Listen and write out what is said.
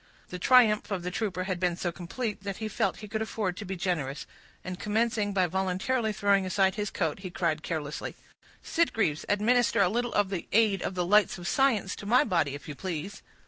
The triumph of the trooper had been so complete, that he felt he could afford to be generous, and commencing by voluntarily throwing aside his coat, he cried carelessly,— "Sitgreaves, administer a little of the aid of the lights of science to my body, if you please."